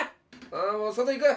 もう外行く！